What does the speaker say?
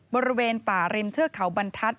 บริเวณป่าริมเทือกเขาบรรทัศน